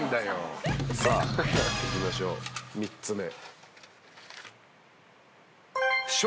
さあいきましょう３つ目。